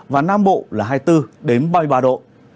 và nam bộ là hai mươi bốn ba mươi ba độ